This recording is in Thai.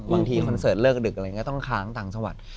บางทีคอนเสิร์ตเลิกดึกอะไรก็ต้องค้างต่างสังวัติ